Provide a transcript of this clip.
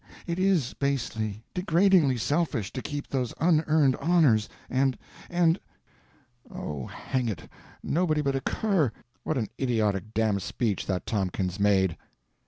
It is basely, degradingly selfish to keep those unearned honors, and—and—oh, hang it, nobody but a cur—" "What an idiotic damned speech that Tompkins made!"